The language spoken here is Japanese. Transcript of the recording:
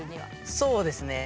そうですね。